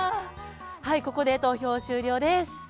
はいここで投票終了です。